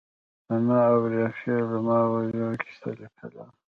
سناء اوریاخيل د ما وژغورئ کيسه ليکلې ده